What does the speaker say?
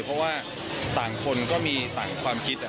เพราะว่าต่างคนก็มีต่างความคิด